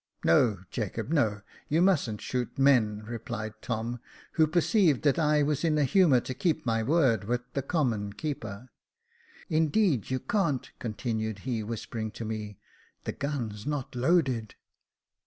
"No, Jacob, no y you mustn't shoot men," replied Tom, who perceived that I was in a humour to keep my word with the common keeper. " Indeed you can't," continued he, whispering to me ," the gun's not loaded."